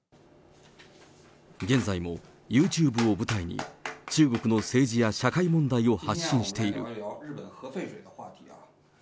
現在もユーチューブを舞台に、中国の政治や社会問題を発信している。